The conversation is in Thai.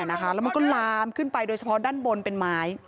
แล้วมันก็ลามขึ้นไปโดยเฉพาะด้านบนเป็นไม้